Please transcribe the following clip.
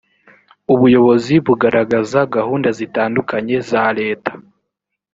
ubuyobozi bugaragaza gahunda zitandukanye za leta